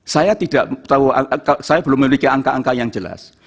saya belum memiliki angka angka yang jelas